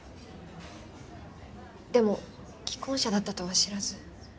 でも既婚者だったとは知らず。